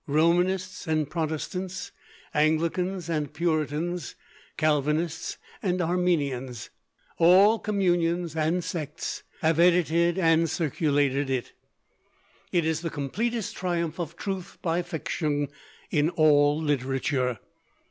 Romanists and Protestants, Anglicans and Puritans, Calvinists and Arminians, all communions and sects have edited and circulated it. It is the completest triumph of truth by fiction in all literature.